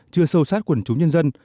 chưa sâu sát quần chúng nhân dân